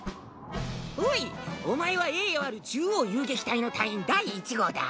おいお前は栄誉ある獣王遊撃隊の隊員第１号だ。